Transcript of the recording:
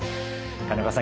金岡さん